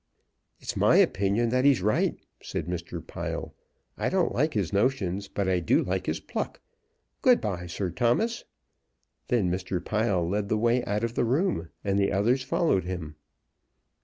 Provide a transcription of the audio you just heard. "It's my opinion that he's right," said Mr. Pile. "I don't like his notions, but I do like his pluck. Good bye, Sir Thomas." Then Mr. Pile led the way out of the room, and the others followed him.